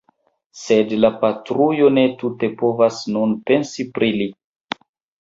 Sed la patrujo tute ne povas nun pensi pri li.